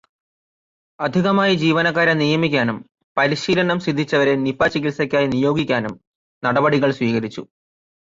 അധികമായി ജീവനക്കാരെ നിയമിക്കാനും പരിശീലനം സിദ്ധിച്ചവരെ നിപ ചികിത്സയ്ക്കായി നിയോഗിക്കാനും നടപടികള് സ്വീകരിച്ചു.